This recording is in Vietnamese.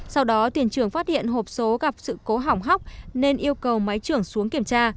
sau đó tiền trưởng phát hiện hộp số gặp sự cố hỏng hóc nên yêu cầu máy trưởng xuống kiểm tra